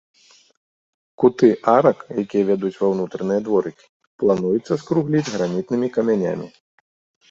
Куты арак, якія вядуць ва ўнутраныя дворыкі, плануецца скругліць гранітнымі камянямі.